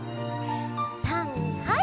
さんはい！